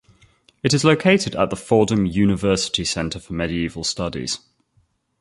It is located at the Fordham University Center for Medieval Studies.